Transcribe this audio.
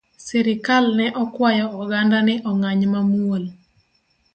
Sirikal ne okwayo oganda ni ong’any mamuol